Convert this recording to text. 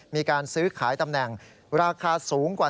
มีการซื้อขายตำแหน่งราคาสูงกว่า